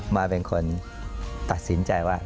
มาเป็นคนตัดสินใจว่า